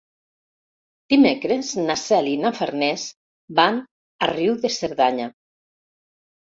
Dimecres na Cel i na Farners van a Riu de Cerdanya.